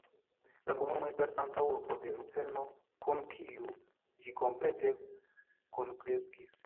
La komunumo estas antaŭurbo de Lucerno, kun kiu ĝi komplete kunkreskis.